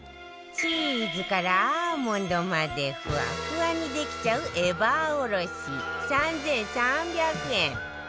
チーズからアーモンドまでフワフワにできちゃうエバーおろし３３００円